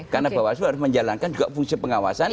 karena bawaslu harus menjalankan juga fungsi pengawasan